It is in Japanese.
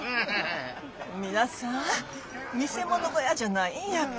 皆さん見せ物小屋じゃないんやけん。